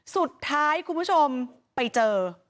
สุดท้ายคุณผู้ชมไปเจอ